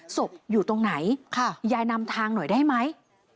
ศพอยู่ตรงไหนยายนำทางหน่อยได้ไหม